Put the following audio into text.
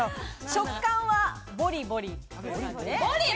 食感はボリボリ。